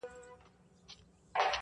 • دوه زړونه په سترگو کي راگير سوله.